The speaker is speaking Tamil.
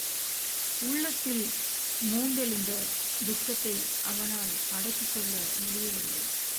உள்ளத்தில் மூண்டெழுந்த துக்கத்தை அவனால் அடக்கிக் கொள்ள முடியவில்லை.